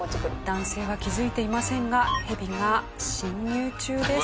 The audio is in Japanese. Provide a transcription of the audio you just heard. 男性は気づいていませんがヘビが侵入中です。